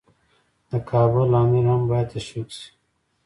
د کابل امیر هم باید تشویق شي.